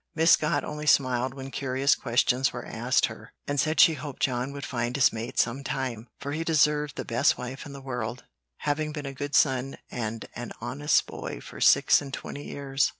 Miss Scott only smiled when curious questions were asked her, and said she hoped John would find his mate some time, for he deserved the best wife in the world, having been a good son and an honest boy for six and twenty years.